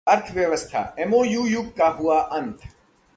अर्थव्यवस्था: एमओयू युग का हुआ अंत